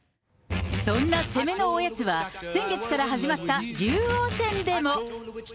そんな攻めのおやつは、先月から始まった竜王戦でも。